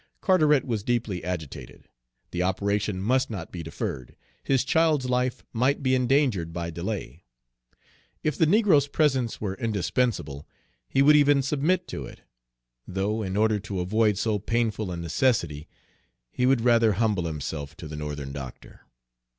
Carteret was deeply agitated. The operation must not be deferred; his child's life might be endangered by delay. If the negro's presence were indispensable he would even submit to it, though in order to avoid so painful a necessity, he would rather humble himself to the Northern doctor.